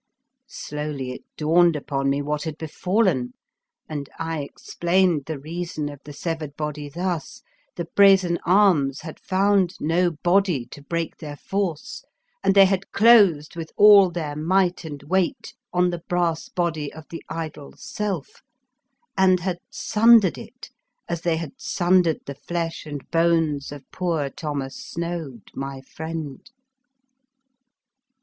Slowly it dawned upon me what had befallen, and I ex plained the reason of the severed body thus: the brazen arms had found no body to break their force, and they had closed with all their might and weight on the brass body of the idol's self, and had sundered it as they had sundered the flesh and bones of poor Thomas Snoad, my friend.